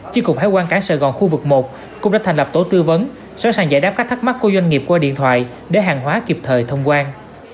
chi cục hải quan cảng sài gòn khu vực một cũng đã thành lập tổ tư vấn sẵn sàng giải đáp các thắc mắc của doanh nghiệp qua điện thoại để hàng hóa kịp thời thông quan